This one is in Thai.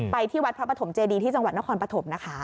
ที่วัดพระปฐมเจดีที่จังหวัดนครปฐมนะคะ